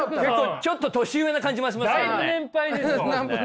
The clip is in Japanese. ちょっと年上な感じもしますね。